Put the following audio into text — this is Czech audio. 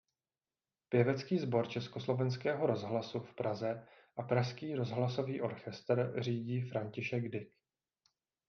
Pěvecký sbor Československého rozhlasu v Praze a Pražský rozhlasový orchestr řídí František Dyk.